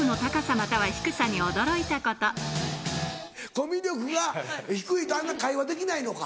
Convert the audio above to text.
コミュ力が低いとあんな会話できないのか。